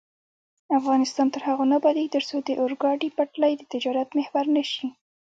افغانستان تر هغو نه ابادیږي، ترڅو د اورګاډي پټلۍ د تجارت محور نشي.